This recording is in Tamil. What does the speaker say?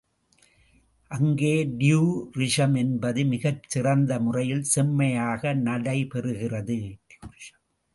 அங்கே டியூரிசம் என்பது மிகச் சிறந்த முறையில் செம்மையாக நடைபெறுகிறது.